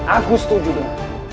aku setuju tuhan